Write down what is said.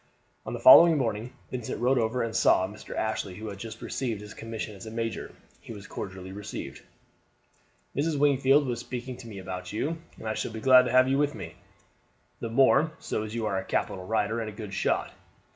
On the following morning Vincent rode over and saw Mr. Ashley, who had just received his commission as major. He was cordially received. "Mrs. Wingfield was speaking to me about you, and I shall be glad to have you with me the more so as you are a capital rider and a good shot.